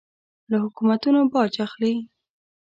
له حکومتونو باج اخلي.